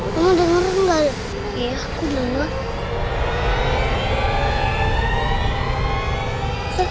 kamu dengerin banget ya aku dulu